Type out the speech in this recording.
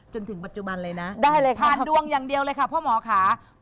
จนถึงปัจจุบันเลยนะผ่านดวงอย่างเดียวเลยค่ะพ่อหมอค่ะได้เลยค่ะ